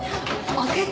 開けてよ！